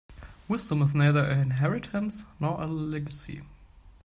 Wisdom is neither inheritance nor a legacy.